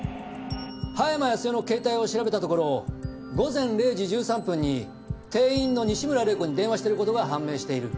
葉山康代の携帯を調べたところ午前０時１３分に店員の西村玲子に電話してる事が判明している。